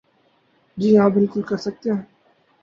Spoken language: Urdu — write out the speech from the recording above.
جی ہاں بالکل کر سکتے ہیں ۔